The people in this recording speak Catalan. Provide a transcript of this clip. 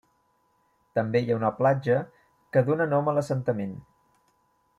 També hi ha una platja que dóna nom a l'assentament.